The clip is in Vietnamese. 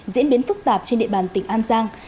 diễn biến phức tạp trên địa bàn tỉnh an giang